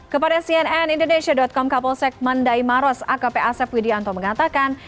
kepada cnn indonesia com kapolsek mandai maros akp asep widianto mengatakan